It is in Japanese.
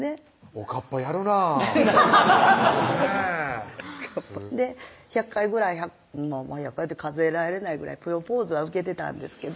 おかっぱやるなぁねぇで１００回ぐらい１００回って数えられないぐらいプロポーズは受けてたんですけど